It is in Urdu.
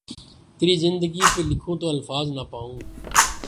تیری زندگی پھ لکھوں تو الفاظ نہ پاؤں